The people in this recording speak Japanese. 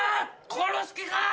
殺す気かぁ！